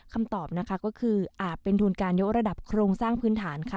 คำตอบนะคะก็คืออาจเป็นทุนการยกระดับโครงสร้างพื้นฐานค่ะ